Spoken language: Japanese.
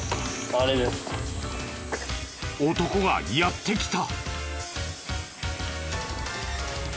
男がやって来た。